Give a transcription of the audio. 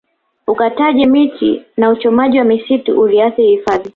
ukataji miti na uchomaji wa misitu uliathiri hifadhi